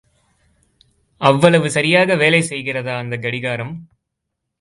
அவ்வளவு சரியாக வேலை செய்கிறதா அந்தக் கடிகாரம்?